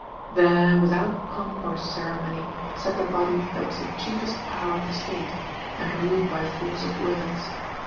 There, without pomp or ceremony, sat the body that was the chiefest power of the State and ruled by force of words.